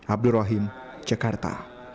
abdul rahim jakarta